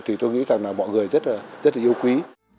thì tôi nghĩ rằng là mọi người rất là yêu quý